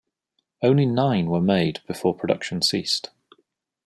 Only nine were made before production ceased.